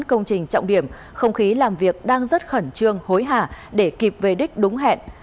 công trình trọng điểm không khí làm việc đang rất khẩn trương hối hả để kịp về đích đúng hẹn